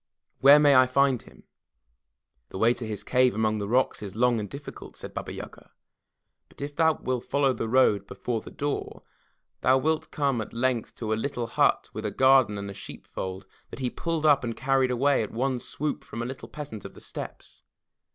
Where may I find him?" "The way to his cave among the rocks is long and difficult," said Baba Yaga, "but if thou wilt follow the road before the door, thou wilt come at length to a little hut with a garden and sheep fold that he pulled up and carried away at one swoop from a little peasant of the Steppes.